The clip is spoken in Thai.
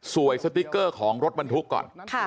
สติ๊กเกอร์ของรถบรรทุกก่อน